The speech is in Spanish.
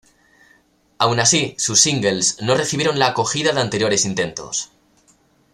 Aun así, sus singles no recibieron la acogida de anteriores intentos.